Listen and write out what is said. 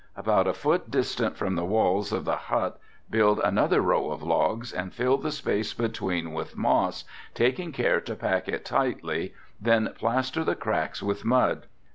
About a foot distant from the walls of the hut build another row of logs and fill the space between with moss, taking care to pack it tightly, then plaster the cracks with mud.